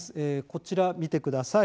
こちら見てください。